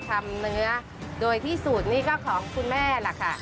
ทำเนื้อโดยที่สูตรนี้ก็ของคุณแม่ล่ะค่ะ